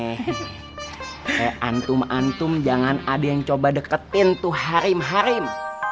kayak antum antum jangan ada yang coba deketin tuh harim harim